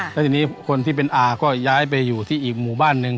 แล้วทีนี้คนที่เป็นอาก็ย้ายไปอยู่ที่อีกหมู่บ้านหนึ่ง